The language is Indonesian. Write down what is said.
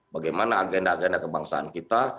bagaimana agenda agenda kebangsaan kita